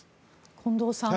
近藤さん